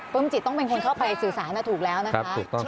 จิตต้องเป็นคนเข้าไปสื่อสารถูกแล้วนะคะ